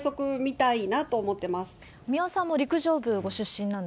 三輪さんも陸上部ご出身なん